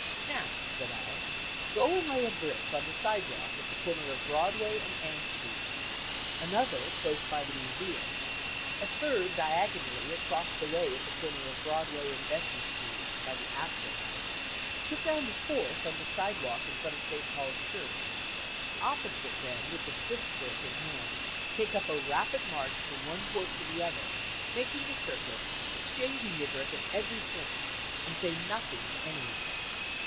"Now," said I, "go and lay a brick on the sidewalk at the corner of Broadway and Ann Street; another close by the Museum; a third diagonally across the way at the corner of Broadway and Vesey Street, by the Astor House: put down the fourth on the sidewalk in front of St Paul's Church, opposite; then, with the fifth brick in hand, take up a rapid march from one point to the other, making the circuit, exchanging your brick at every point, and say nothing to any one."